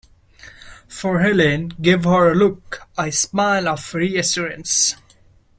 For Helene gave her a look, a smile of reassurance.